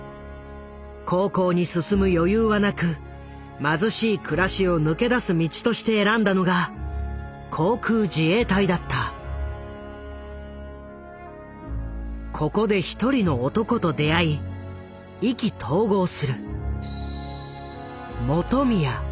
高校に進む余裕はなく貧しい暮らしを抜け出す道として選んだのがここで一人の男と出会い意気投合する。